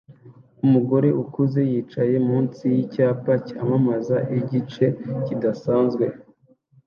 Umugore ukuze yicaye munsi yicyapa cyamamaza igice kidasanzwe